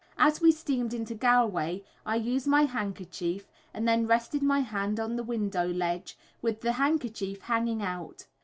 As we steamed into Galway I used my handkerchief, and then rested my hand on the window ledge with the handkerchief hanging out.